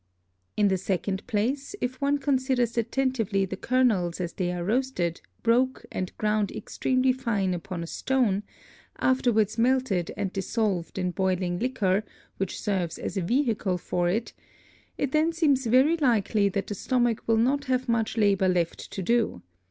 In the second place, if one considers attentively the Kernels as they are roasted, broke, and ground extremely fine upon a Stone, afterwards melted and dissolved in boiling Liquor, which serves as a Vehicle for it; it then seems very likely that the Stomach will not have much Labour left to do.